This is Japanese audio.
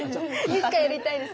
いつかやりたいです。